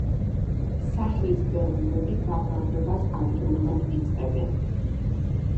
სახლის ბეღურები გამრავლებას ადრეულად იწყებენ.